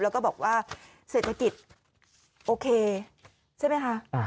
แล้วก็บอกว่าเศรษฐกิจโอเคใช่ไหมคะ